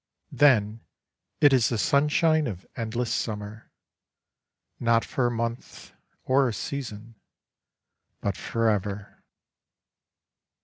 Then it is the sunshine of endless summer, not for a month or a season, but for ever.